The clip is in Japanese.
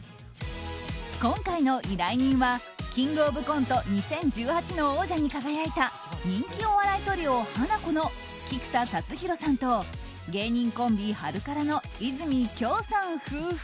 今回の依頼人は「キングオブコント２０１８」の王者に輝いた人気お笑いトリオハナコの菊田竜大さんと芸人コンビ、ハルカラの和泉杏さん夫婦。